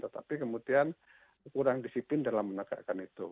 tetapi kemudian kurang disiplin dalam menegakkan itu